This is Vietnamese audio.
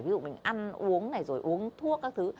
ví dụ mình ăn uống này rồi uống thuốc các thứ